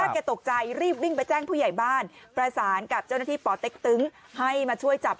แกตกใจรีบวิ่งไปแจ้งผู้ใหญ่บ้านประสานกับเจ้าหน้าที่ป่อเต็กตึงให้มาช่วยจับ